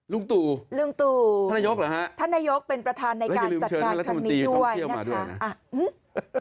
ลุงตู่ท่านนายกหรือครับแล้วอย่าลืมเชิญรัฐมนตรีความเที่ยวมาด้วยนะค่ะฮืม